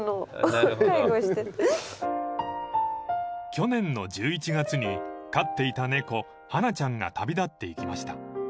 ［去年の１１月に飼っていた猫ハナちゃんが旅立っていきました］